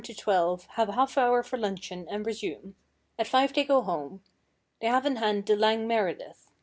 to 12, have a half hour for luncheon, and resume. At five they go home. They have in hand the Lang Meredith.